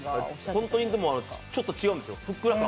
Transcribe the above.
本当にちょっと違うんですよ、ふっくら感。